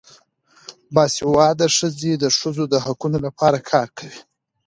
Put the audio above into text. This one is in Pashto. باسواده ښځې د ښځو د حقونو لپاره کار کوي.